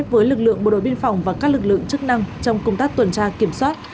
với lực lượng bộ đội biên phòng và các lực lượng chức năng trong công tác tuần tra kiểm soát